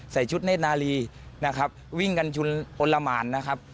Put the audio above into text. ชุดเนธนารีนะครับวิ่งกันชุนอนละหมานนะครับ